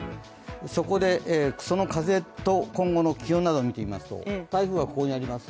そこでその風と今後の気温などを見てみますと、台風はここにあります。